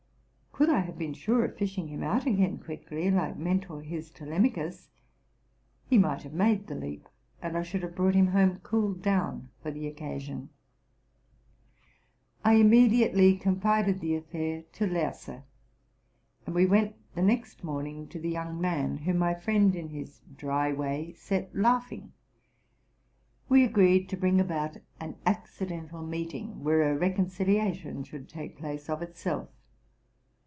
Could I have been sure of fishing him out again quickly, like Mentor his Telemachus, he might have made the leap; and I should have brought him home cooled down for this occasion. I immediately confided the affair to Lerse; and we went the next morning to the young man, whom my friend in his dry way set laughing. We agreed to bring about an acci dental meeting, where a reconciliation should take place of itself.